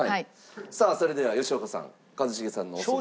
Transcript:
さあそれでは吉岡さん一茂さんのおそば。